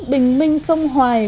bình minh sông hoài